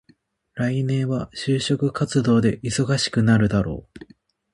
来年は就職活動で忙しくなるだろう。